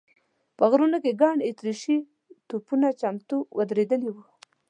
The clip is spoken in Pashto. په غرونو کې ګڼ اتریشي توپونه چمتو ودرېدلي و.